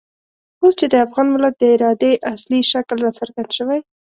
اوس چې د افغان ملت د ارادې اصلي شکل را څرګند شوی.